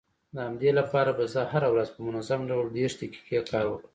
د همدې لپاره به زه هره ورځ په منظم ډول دېرش دقيقې کار وکړم.